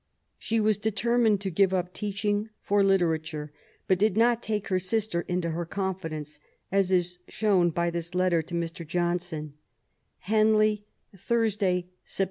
She was determined to give up teaching for literature, but did not take her sister into her con fidence, as is shown by this letter to Mr. Johnson :— Henley, Thnrsday, Sept.